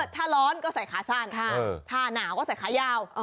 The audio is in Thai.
ถ้าร้อนก็ใส่ขาสั้นถ้าหนาวก็ใส่ขายาว